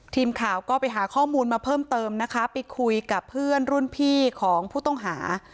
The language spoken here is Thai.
ทีมข่าวก็ไปหาข้อมูลมาเพิ่มเติมนะคะไปคุยกับเพื่อนรุ่นพี่ของผู้ต้องหา